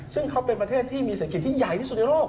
ซึ่งเขาเป็นประเทศที่มีเศรษฐกิจที่ใหญ่ที่สุดในโลก